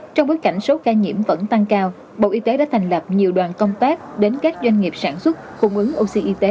trong bối cảnh số ca nhiễm vẫn tăng cao bộ y tế đã thành lập nhiều đoàn công tác đến các doanh nghiệp sản xuất cung ứng oxy y tế